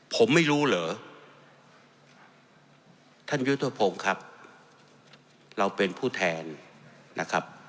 ผมไม่รู้เหรอท่านยุทธพงศ์ครับเราเป็นผู้แทนนะครับ